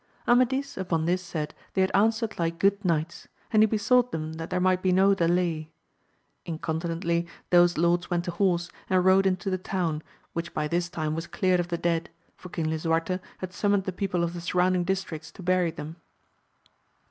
Amadis upon this said they had answered like good knights, and he besought them that there might be no delay ; incontinently those lords went to horse, and rode into the town, which by this time was cleared of the dead, for Eong Xosuarte had summoned the people of the suiTounding districts to bury them.